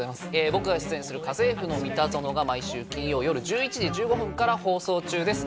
僕が出演する『家政夫のミタゾノ』が毎週金曜よる１１時１５分から放送中です。